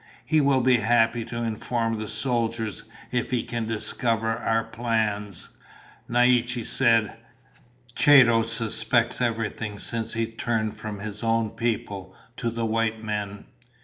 He will be happy to inform the soldiers if he can discover our plans." Naiche said, "Chato suspects everything since he turned from his own people to the white men.